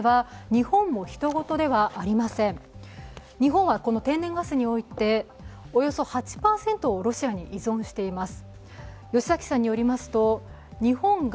日本は天然ガスにおいておよそ８％をロシアに依存しています。